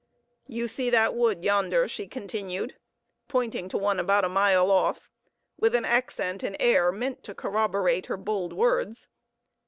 You see that wood, yonder?" she continued, pointing to one about a mile off, with an accent and air meant to corroborate her bold words.